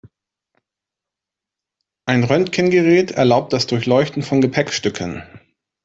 Ein Röntgengerät erlaubt das Durchleuchten von Gepäckstücken.